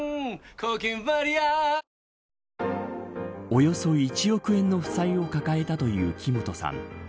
およそ１億円の負債を抱えたという木本さん。